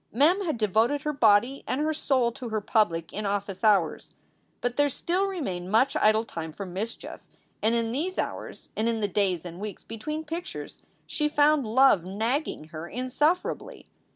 Mem had devoted her body and her soul to her public in office hours. But there still remained much idle time for mischief, and in these hours, and in the days and weeks between pictures, she found love nagging her insufferably.